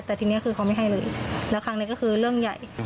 แต่ทีนี้คือเขาไม่ให้เลยแล้วครั้งนี้ก็คือเรื่องใหญ่